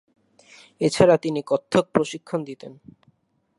এছাড়া, তিনি কত্থক প্রশিক্ষণ দিতেন।